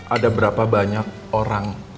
ada berapa banyak orang